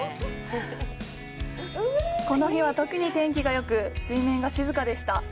この日は特に天気がよく、水面が静かでした。